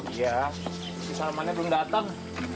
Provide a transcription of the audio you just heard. iya di salmannya belum datang